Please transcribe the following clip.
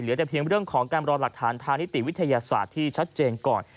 แต่เพียงเรื่องของการรอหลักฐานทางนิติวิทยาศาสตร์ที่ชัดเจนก่อน